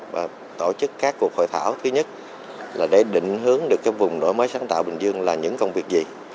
và tổ chức các cuộc hội thảo thứ nhất là để định hướng được cái vùng đổi mới sáng tạo bình dương là những công việc gì